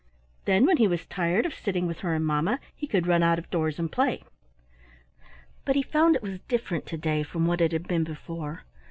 Then when he was tired of sitting with her and mamma, he could run out of doors and play. But he found it was different to day from what it had been before.